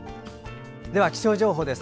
では気象情報です。